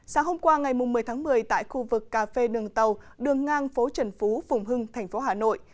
sáng hôm qua ngày một mươi tháng một mươi tại khu vực cà phê đường tàu đường ngang phố trần phú phùng hưng thành phố hà nội